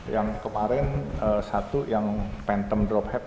yang kemarin satu yang phantom drop hab